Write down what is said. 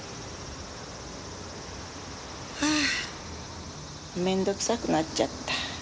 はあ面倒くさくなっちゃった。